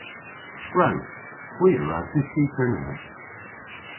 Gwrewgh. Hwi a wra dyski Kernewek.